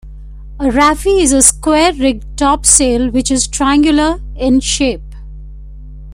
A raffee is a square-rigged topsail which is triangular in shape.